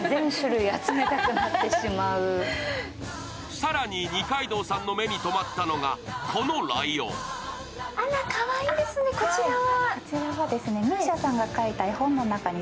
更に二階堂さんの目に留まったのはあらかわいいですね、こちらは？